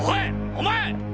お前！